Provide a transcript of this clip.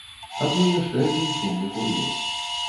Або яшчэ адзін сумны кур'ёз.